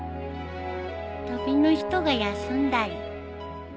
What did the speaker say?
旅の人が休んだり。